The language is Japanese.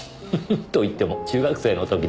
と言っても中学生の時です。